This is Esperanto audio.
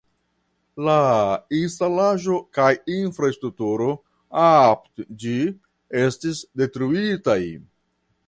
La instalaĵo kaj infrastrukturo apud ĝi estis detruitaj.